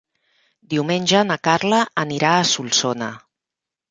Diumenge na Carla anirà a Solsona.